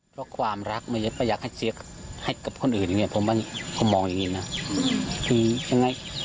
เพราะความรักมันยังไม่อยากให้เชียร์ให้กับคนอื่นเนี่ยผมมองอย่างงี้นะ